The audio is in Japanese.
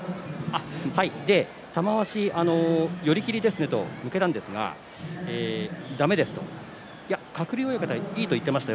玉鷲、寄り切りですねと向けたんですがだめですと言ってました。